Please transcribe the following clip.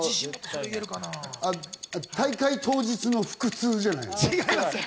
大会当日の腹痛じゃない？